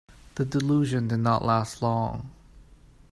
The delusion did not last long.